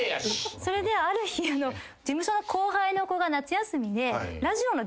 それである日事務所の後輩の子が夏休みで。